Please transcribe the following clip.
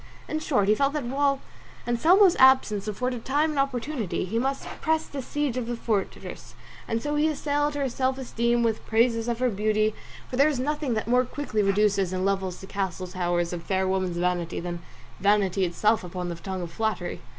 In short he felt that while Anselmo's absence afforded time and opportunity he must press the siege of the fortress, and so he assailed her self esteem with praises of her beauty, for there is nothing that more quickly reduces and levels the castle towers of fair women's vanity than vanity itself upon the tongue of flattery.